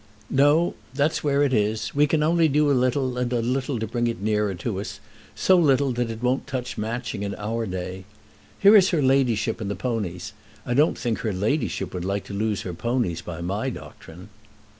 "No; that's where it is. We can only do a little and a little to bring it nearer to us; so little that it won't touch Matching in our day. Here is her ladyship and the ponies. I don't think her ladyship would like to lose her ponies by my doctrine."